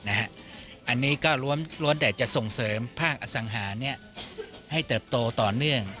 อันนี้ก็ล้วนแต่จะส่งเสริมภาคอสังหารให้เติบโตต่อเนื่อง